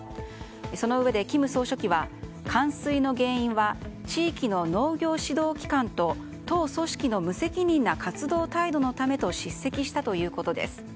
そのうえで金総書記は冠水の原因は地域の農業指導機関と党組織の無責任な活動態度のためと叱責したということです。